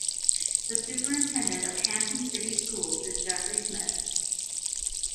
The superintendent of Hampton City Schools is Jeffrey Smith.